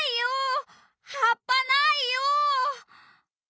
はっぱないよう！